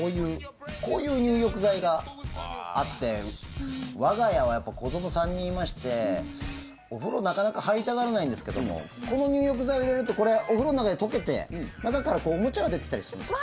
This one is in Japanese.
こういう入浴剤があって我が家は子ども３人いましてお風呂、なかなか入りたがらないんですけどもこの入浴剤を入れるとこれ、お風呂の中で解けて中からおもちゃが出てきたりするんですよ。